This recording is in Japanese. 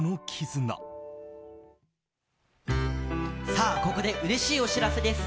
さあ、ここでうれしいお知らせです。